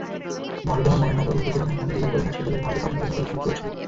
মরদেহ ময়নাতদন্তের জন্য ঢাকা মেডিকেল কলেজ হাসপাতালের মর্গে পাঠানোর জন্য প্রস্তুতি চলছে।